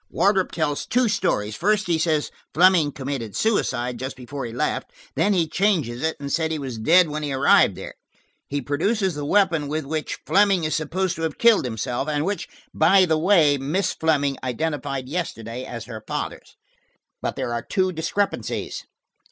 Wardrop tells two stories: first he says Fleming committed suicide just before he left. Then he changes it and says he was dead when he arrived there. He produces the weapon with which Fleming is supposed to have killed himself, and which, by the way, Miss Fleming identified yesterday as her father's. But there are two discrepancies.